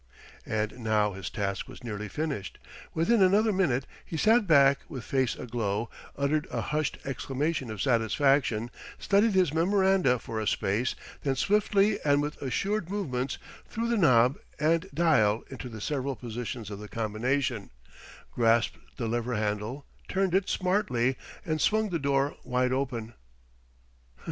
And now his task was nearly finished. Within another minute he sat back with face aglow, uttered a hushed exclamation of satisfaction, studied his memoranda for a space, then swiftly and with assured movements threw the knob and dial into the several positions of the combination, grasped the lever handle, turned it smartly, and swung the door wide open.